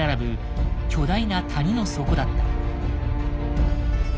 巨大な谷の底だった。